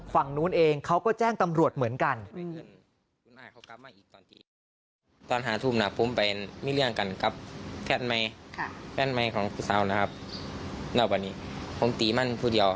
ฝั่งนู้นเองเขาก็แจ้งตำรวจเหมือนกัน